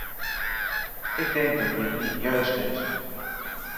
Ik denk dat dit niet juist is.